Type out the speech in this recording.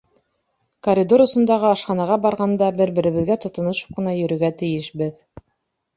Коридор осондағы ашханаға барғанда бер-беребеҙгә тотоношоп ҡына йөрөргә тейешбеҙ.